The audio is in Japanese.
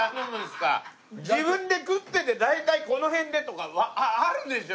自分で食ってて大体この辺でとかあるでしょ！